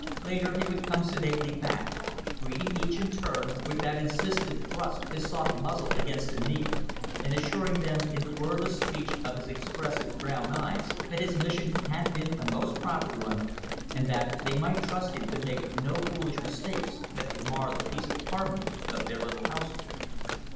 Later, he would come sedately back; greeting each, in turn, with that insistent thrust his soft muzzle against a knee; and assuring them, in the wordless speech of his expressive, brown eyes, that his mission had been a most proper one, and that they might trust him to make no foolish mistakes that would mar the peace and harmony of their little household.